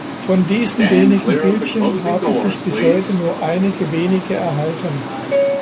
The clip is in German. Von diesen wenigen Bildchen haben sich bis heute nur einige wenige erhalten.